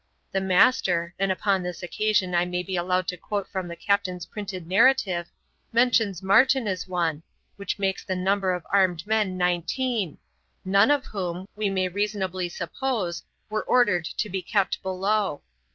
The master (and upon this occasion I may be allowed to quote from the captain's printed narrative) mentions Martin as one, which makes the number of armed men nineteen, none of whom, we may reasonably suppose, were ordered to be kept below.